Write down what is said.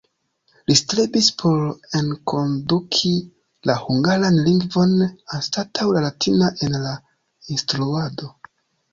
Li strebis por enkonduki la hungaran lingvon anstataŭ la latina en la instruado.